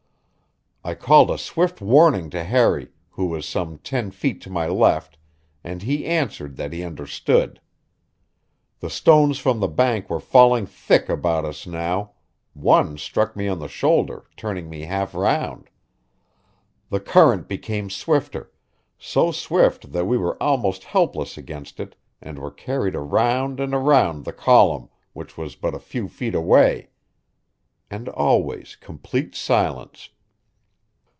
I called a swift warning to Harry, who was some ten feet to my left, and he answered that he understood. The stones from the bank were falling thick about us now; one struck me on the shoulder, turning me half round. The current became swifter so swift that we were almost helpless against it and were carried around and around the column, which was but a few feet away. And always complete silence.